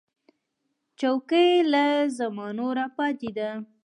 چوکۍ له زمانو راپاتې ده.